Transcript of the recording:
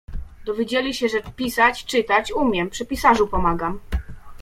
"Dowiedzieli się, że pisać, czytać umiem, przy pisarzu pomagam."